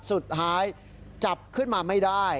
สุดท้ายจับขึ้นมาไม่ได้